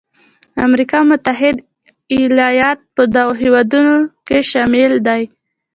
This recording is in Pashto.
امریکا متحده ایالات په دغو هېوادونو کې شامل دی.